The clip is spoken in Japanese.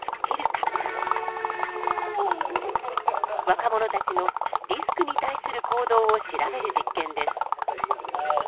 若者たちのリスクに対する行動を調べる実験です。